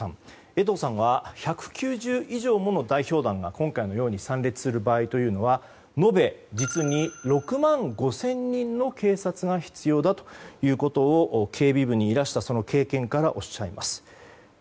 江藤さんは１９０以上もの代表団が今回のように参列する場合延べ実に６万５０００人の警察が必要だということを警備部にいらした経験からおっしゃいます。